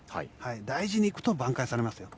大事にいくと挽回されますよ。